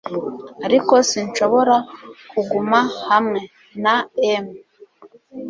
Ariko sinshobora kuguma hamwe na'em